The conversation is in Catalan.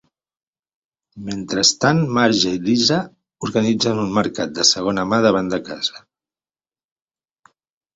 Mentrestant, Marge i Lisa organitzen un mercat de segona mà davant de casa.